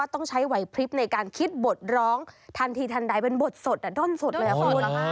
ต้องใช้ไหวพลิบในการคิดบทร้องทันทีทันใดเป็นบทสดด้นสดเลยอ่ะคุณ